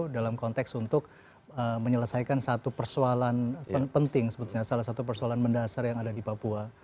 dalam konteks untuk menyelesaikan satu persoalan penting sebetulnya salah satu persoalan mendasar yang ada di papua